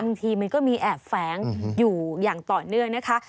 บางทีมันก็มีแอบแฝงอยู่อย่างต่อเนื่องนะคะ